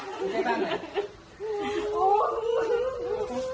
ปลอบภัยแล้วลูกปลอบภัยแล้ว